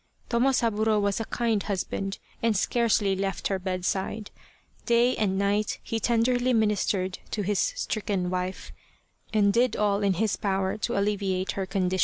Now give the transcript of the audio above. Tomosaburo was a kind husband and scarcely left her bedside : day and night he tenderly ministered to his stricken wife, and did all in his power to alleviate her condition.